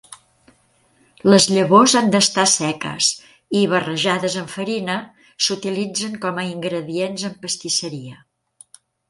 Les llavors han d'estar seques i, barrejades amb farina, s'utilitzen com a ingredients en pastisseria.